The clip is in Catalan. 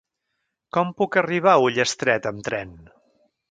Com puc arribar a Ullastret amb tren?